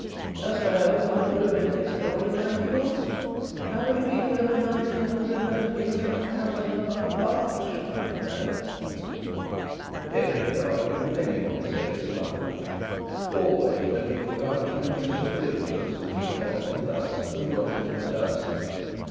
As for health, old Reuben next door is ninety one. How many people over ninety are there in those gimcrack houses up by the Park, I should like to know?" Denry could argue with any one save his mother. Always, when he was about to reduce her to impotence, she fell on him thus and rolled him in the dust.